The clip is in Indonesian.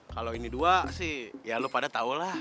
kalau ini dua sih ya lo pada tau lah